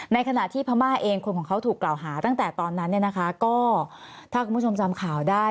ในขณะที่พม่าเองคนของเขาถูกกล่าวหาตั้งแต่ตอนนั้นเนี่ยนะคะก็ถ้าคุณผู้ชมจำข่าวได้